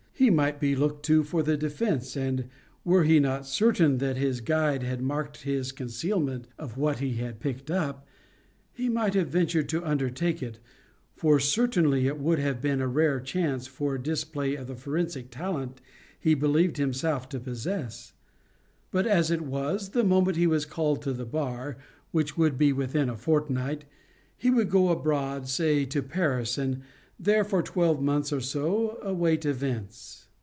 He might be looked to for the defence, and were he not certain that his guide had marked his concealment of what he had picked up, he might have ventured to undertake it, for certainly it would have been a rare chance for a display of the forensic talent he believed himself to possess; but as it was, the moment he was called to the bar which would be within a fortnight he would go abroad, say to Paris, and there, for twelve months or so, await events.